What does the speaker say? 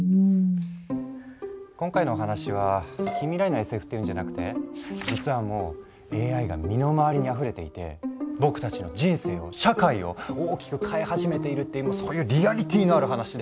今回のお話は近未来のＳＦっていうんじゃなくて実はもうＡＩが身の回りにあふれていて僕たちの人生を社会を大きく変え始めているっていうそういうリアリティーのある話で。